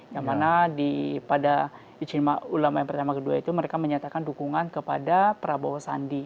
yang mana pada ijtima ulama yang pertama kedua itu mereka menyatakan dukungan kepada prabowo sandi